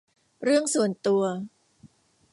เรื่องส่วนตัว